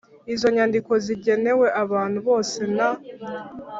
Izo nyandiko zigenewe abantu bose nta